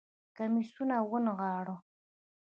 کميسونه ونغاړه